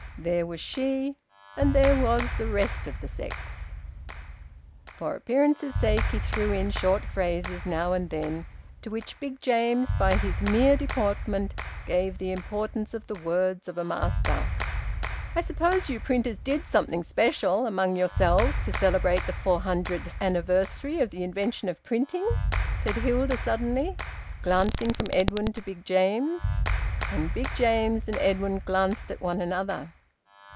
There was she, and there was the rest of the sex. For appearance's sake he threw in short phrases now and then, to which Big James, by his mere deportment, gave the importance of the words of a master. "I suppose you printers did something special among yourselves to celebrate the four hundredth anniversary of the invention of printing?" said Hilda suddenly, glancing from Edwin to Big James. And Big James and Edwin glanced at one another.